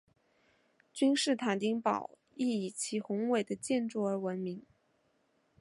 君士坦丁堡亦以其宏伟的建筑而闻名。